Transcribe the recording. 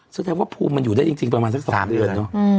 ซึ่งแทนว่าภูมิมันอยู่ได้จริงประมาณสักสามเดือนเนาะอื้อ